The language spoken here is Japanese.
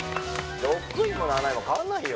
６位も７位も変わんないよ。